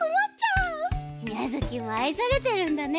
ミャヅキもあいされてるんだね！